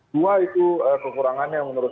dua itu kekurangannya menurut